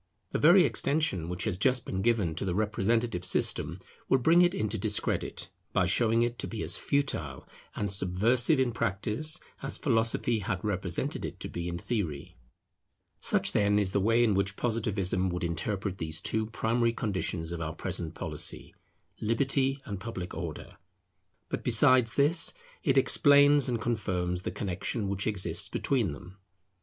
The very extension which has just been given to the representative system will bring it into discredit, by showing it to be as futile and subversive in practice as philosophy had represented it to be in theory. [Intimate connexion of Liberty with Order] Such, then, is the way in which Positivism would interpret these two primary conditions of our present policy, Liberty and Public Order. But besides this, it explains and confirms the connexion which exists between them.